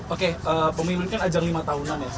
oke pemilu ini kan ajang lima tahunan ya